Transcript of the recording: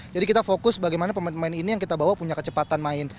jadi kita fokus bagaimana pemain pemain ini yang kita bawa punya kecepatan main